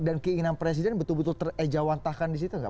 dan keinginan presiden betul betul ter eja wantahkan di situ nggak